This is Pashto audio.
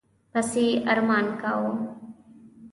پسي یې ارمان کاوه.